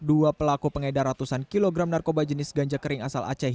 dua pelaku pengedar ratusan kilogram narkoba jenis ganja kering asal aceh